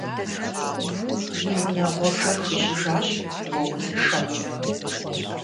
И унагъуэбжэр хуищӏыжащ уэ узышэнум.